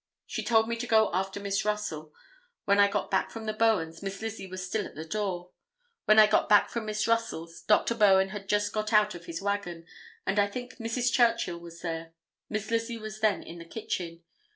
She told me to go after Miss Russell. When I got back from the Bowens, Miss Lizzie was still at the door. When I got back from Miss Russell's Dr. Bowen had just got out of his wagon, and I think Mrs. Churchill was there. Miss Lizzie was then in the kitchen.